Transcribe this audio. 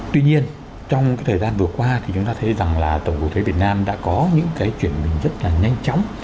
tuy nhiên trong cái thời gian vừa qua thì chúng ta thấy rằng là tổng cụ thế việt nam đã có những cái chuyển mình rất là nhanh chóng